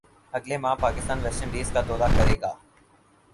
اگلے ماہ Pakistan West Indies کا دورہ کرے گا